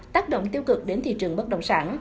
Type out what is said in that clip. tác động tiêu cực đến thị trường bất động sản